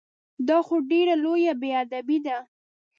دا خو ډېره لویه بې ادبي ده!